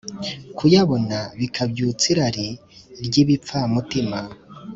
kuyabona bikabyutsa irari ry’ibipfamutima,